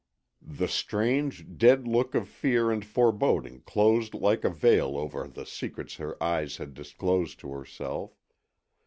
The strange, dead look of fear and foreboding closed like a veil over the secrets her eyes had disclosed to herself.